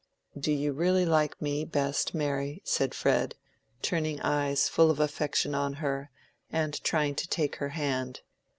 "Do you really like me best, Mary?" said Fred, turning eyes full of affection on her, and trying to take her hand.